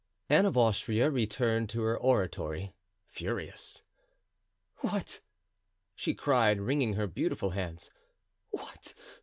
Anne of Austria returned to her oratory, furious. "What!" she cried, wringing her beautiful hands, "What!